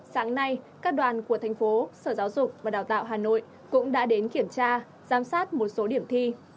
sáng nay các đoàn của thành phố sở giáo dục và đào tạo hà nội cũng đã đến kiểm tra giám sát một số điểm thi